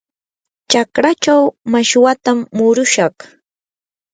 chakraachaw mashwatam murushaq.